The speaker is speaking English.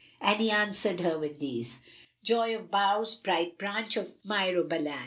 And he answered her with these, "Joy of boughs, bright branch of Myrobalan!